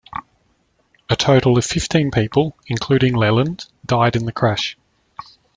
A total of fifteen people, including Leland, died in the crash.